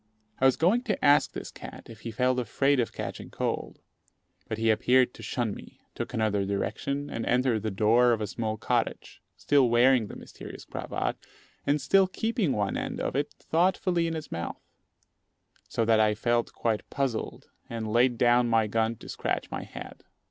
I was going to ask this cat if he felt afraid of catching cold; but he appeared to shun me, took another direction, and entered the door of a small cottage, still wearing the mysterious cravat, and still keeping one end of it thoughtfully in his mouth, so that I felt quite puzzled, and laid down my gun to scratch my head.